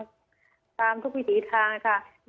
ยายก็ยังแอบไปขายขนมแล้วก็ไปถามเพื่อนบ้านว่าเห็นไหมอะไรยังไง